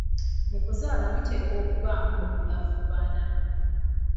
Mu kuzaala muteekwa okubamu okulafuubana.